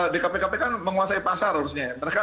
di kpk kan menguasai pasar harusnya ya